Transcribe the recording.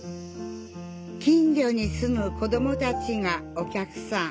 近所に住む子どもたちがお客さん。